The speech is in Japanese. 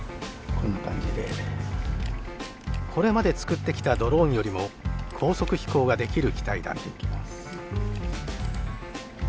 これまで作ってきたドローンよりも高速飛行ができる機体だ。